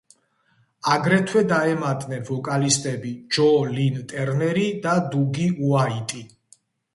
აგრეთვე დაემატნენ ვოკალისტები ჯო ლინ ტერნერი და დუგი უაიტი.